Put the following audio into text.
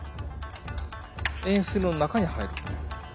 円錐の中に入る。